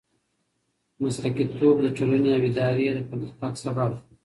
مسلکیتوب د ټولنې او ادارې د پرمختګ سبب دی.